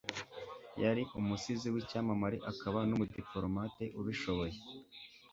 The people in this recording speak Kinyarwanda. Yari umusizi w'icyamamare akaba n'umudipolomate ubishoboye.